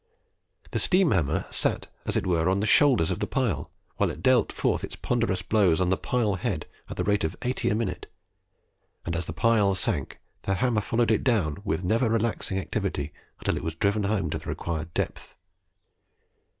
The steam hammer sat as it were on the shoulders of the pile, while it dealt forth its ponderous blows on the pile head at the rate of 80 a minute, and as the pile sank, the hammer followed it down with never relaxing activity until it was driven home to the required depth.